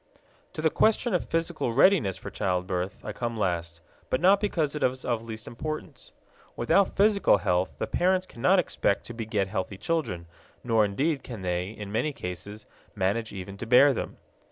To the question of physical readiness for childbirth I come last, but not because it is of least importance. Without physical health the parents cannot expect to beget healthy children, nor indeed can they, in many cases, manage even to bear them.